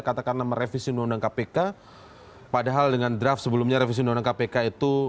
katakanlah merevisi undang undang kpk padahal dengan draft sebelumnya revisi undang undang kpk itu